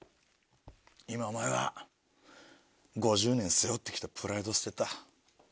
今お前は５０年背負って来たプライド捨てた。